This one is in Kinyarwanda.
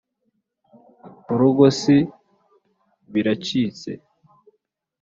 urugo si biracitse